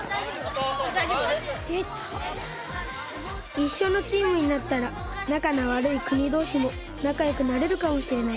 いっしょのチームになったらなかのわるいくにどうしもなかよくなれるかもしれない。